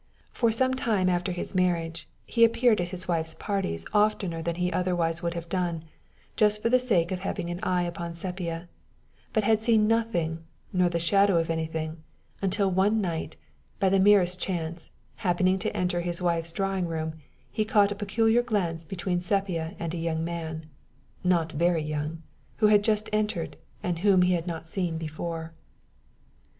For some time after his marriage, he appeared at his wife's parties oftener than he otherwise would have done, just for the sake of having an eye upon Sepia; but had seen nothing, nor the shadow of anything until one night, by the merest chance, happening to enter his wife's drawing room, he caught a peculiar glance between Sepia and a young man not very young who had just entered, and whom he had not seen before.